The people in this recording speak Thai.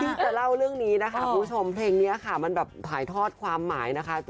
ที่จะเล่าเรื่องนี้นะคะคุณผู้ชมเพลงนี้ค่ะมันแบบถ่ายทอดความหมายนะคะ